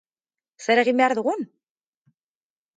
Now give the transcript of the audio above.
Zer egin behar dugun?